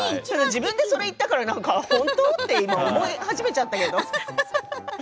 自分ででそれを言ったから今ほんと？って思い始めちゃったけど。